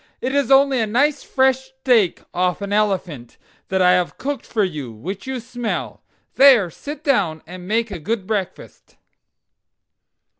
"It is only a nice fresh steak off an elephant, that I have cooked for you, which you smell. There, sit down and make a good breakfast."